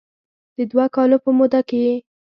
د دوه کالو په موده کې یې